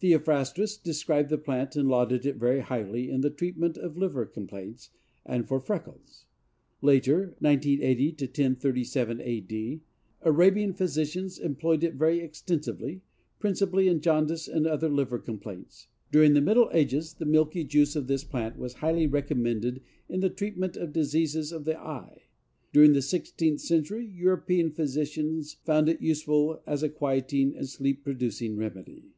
Theophrastus described the plant and lauded it very highly in the treatment of liver complaints and for freckles. Later (980 1037 A. D.) Arabian physicians employed it very extensively, principally in jaundice and other liver complaints. During the middle ages the milky juice of this plant was highly recommended in the treatment of diseases of the eye. During the sixteenth century European physicians found it useful as a quieting and sleep producing remedy.